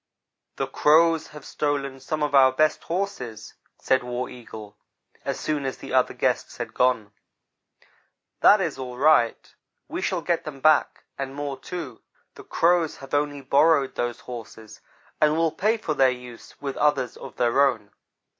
"The Crows have stolen some of our best horses," said War Eagle, as soon as the other guests had gone. "That is all right we shall get them back, and more, too. The Crows have only borrowed those horses and will pay for their use with others of their own.